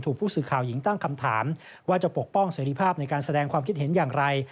ผู้สื่อข่าวหญิงตั้งคำถามว่าจะปกป้องเสรีภาพในการแสดงความคิดเห็นอย่างไร